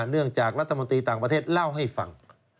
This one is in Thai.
เนื่องจากรัฐมนตรีต่างประเทศเล่าให้ฟัง